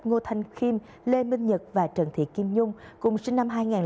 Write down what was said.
ngô thanh kim lê minh nhật và trần thị kim nhung cùng sinh năm hai nghìn sáu